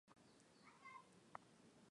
karibu sana katika wimbi la siasa